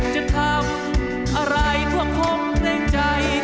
จะทำอะไรห่วงได้จิ้ม